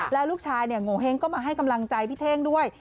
แล้วลูกชายโงเห้งก็มาให้กำลังใจพี่เท่งด้วย